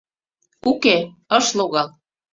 Уке, ыш логал...